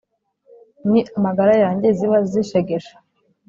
ni amagara yanjye ziba zishegesha